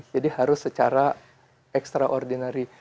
jadi harus secara extraordinary